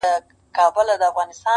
o لېوه سمبول دنني وحشت ښيي ډېر,